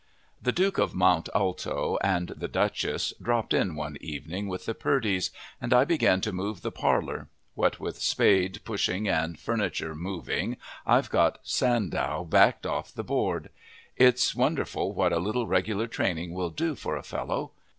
The Duke of Mont Alto, and the Duchess, dropped in one evening with the Purdys, and I began to move the parlor. What with spade pushing and furniture moving, I've got Sandow backed off the board. It's wonderful what a little regular training will do for a fellow!